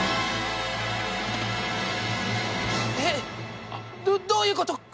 えっどういうこと？